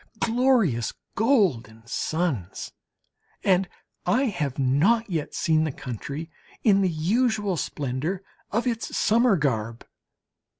Glorious golden suns! And I have not yet seen the country in the usual splendour of its summer garb.